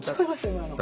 今の。